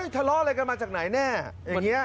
เท้ารออะไรกันมาจากไหนแน่